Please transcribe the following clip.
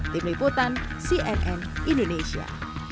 tim liputan cnn indonesia